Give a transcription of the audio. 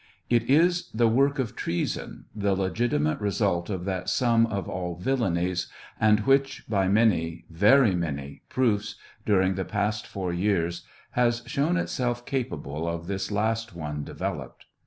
It is the work of treason, the legitimate result of that sum of all villanies, and which, by many, very many, proofs during the past four years, has shown itself capable of this last one developed.